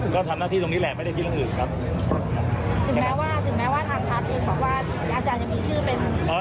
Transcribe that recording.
ก็ทำหน้าที่ตรงนี้ไม่ใช่แบบนี้